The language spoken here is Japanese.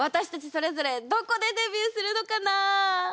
それぞれどこでデビューするのかな？